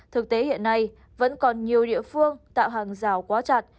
thực tế hiện nay vẫn còn nhiều địa phương tạo hàng rào quá chặt